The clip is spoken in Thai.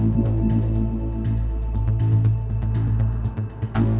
สวัสดีทุกคน